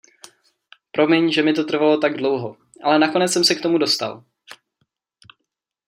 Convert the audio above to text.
Promiň, že mi to trvalo tak dlouho, ale nakonec jsem se k tomu dostal.